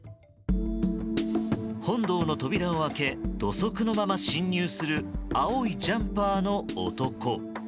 本堂の扉を開け土足のまま侵入する青いジャンパーの男。